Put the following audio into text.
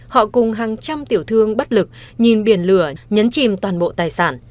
họ cùng hàng trăm tiểu thương bất lực nhìn biển lửa nhấn chìm toàn bộ tài sản